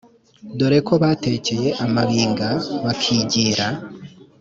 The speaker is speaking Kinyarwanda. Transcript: dore ko batekeye amabinga bakigira